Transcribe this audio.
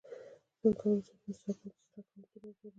څنګه کولی شم د انسټاګرام پټ اکاونټ وګورم